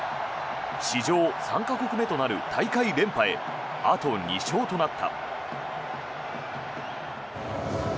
史上３か国目となる大会連覇へあと２勝となった。